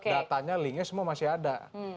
datanya linknya semua masih ada